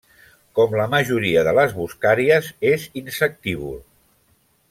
Com la majoria de les boscarles, és insectívor.